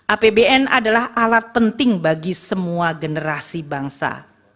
apbn adalah alat penting bagi semua generasi bangsa